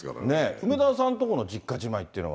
梅沢さんの所の実家じまいっていうのは？